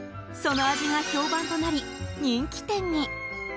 その味が評判となり、人気店に。